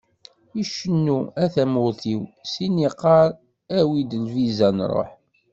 Icennu "A tamurt-iw", syin yeqqar "Awi-d lviza ad nruḥ"!